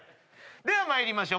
では参りましょう。